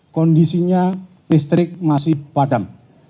kondisinya listrik masih padam